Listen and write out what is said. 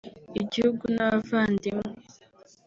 igihugu n’abavandimwe